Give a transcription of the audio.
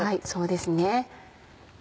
そうですね。